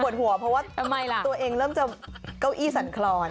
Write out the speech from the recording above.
หัวเพราะว่าตัวเองเริ่มจะเก้าอี้สั่นคลอน